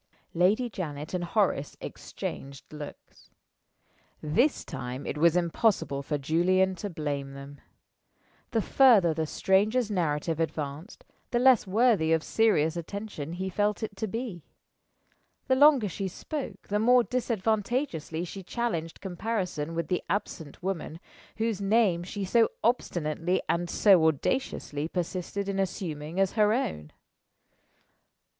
Lady Janet and Horace exchanged looks. This time it was impossible for Julian to blame them. The further the stranger's narrative advanced, the less worthy of serious attention he felt it to be. The longer she spoke, the more disadvantageously she challenged comparison with the absent woman, whose name she so obstinately and so audaciously persisted in assuming as her own.